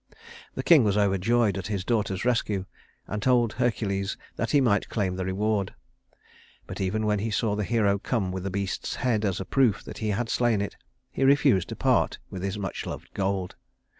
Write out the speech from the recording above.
The king was overjoyed at his daughter's rescue, and told Hercules that he might claim the reward; but even when he saw the hero come with the beast's head as a proof that he had slain it, he refused to part with his much loved gold.